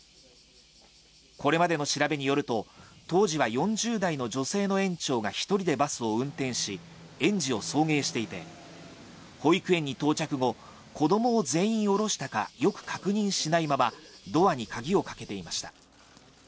これまでの調べによると、当時は４０代の女性の園長が１人でバスを運転し、園児を送迎していて、保育園に到着後、子供を全員おろしたかよく確認しないままドアに鍵をかけていました。